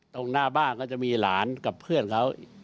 ตรงหน้าบ้านก็จะมีหลานกับเพื่อนเขา